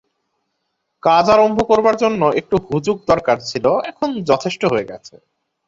কাজ আরম্ভ করবার জন্য একটু হুজুগ দরকার ছিল, এখন যথেষ্ট হয়ে গেছে।